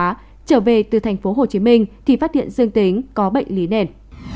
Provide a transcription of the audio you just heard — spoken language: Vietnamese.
trở về từ thành phố hồ chí minh thì phát hiện dương tính có bệnh lý nền